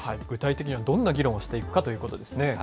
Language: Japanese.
具体的にはどんな議論をしていくかということですね。